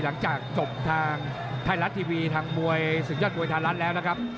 หลังจากจบทางไทรัตทีวีทางสุขยอดมวยทานรัฐแล้วนะครับ